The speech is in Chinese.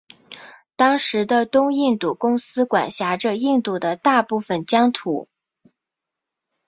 当时的东印度公司管辖着印度的大部分疆土。